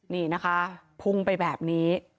นี่นะคะพุ่งไปแบบนี้